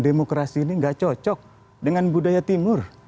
demokrasi ini gak cocok dengan budaya timur